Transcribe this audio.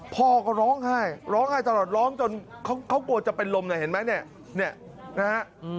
พ่อก็ร้องไห้ร้องไห้ตลอดร้องจนเขากลัวจะเป็นลมเนี่ยเห็นไหมเนี่ยนะฮะ